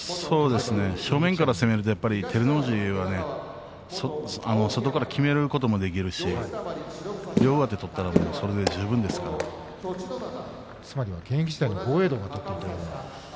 正面から攻めると照ノ富士は外からきめることもできますし両上手だったら現役時代に豪栄道が取っていたような。